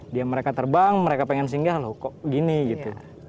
dia mereka terbang mereka pengen singgah loh kok gini gitu